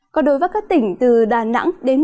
còn đối với các tỉnh từ đà nẵng đến bình dương